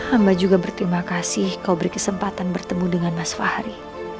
amba juga berterima kasih kau berkesempatan bertemu dengan mas fahri